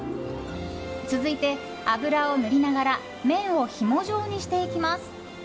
続いて、油を塗りながら麺をひも状にしていきます。